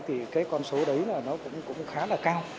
thì cái con số đấy là nó cũng khá là cao